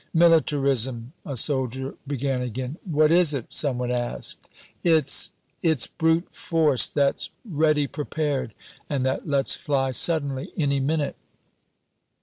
"Militarism " a soldier began again. "What is it?" some one asked. "It's it's brute force that's ready prepared, and that lets fly suddenly, any minute."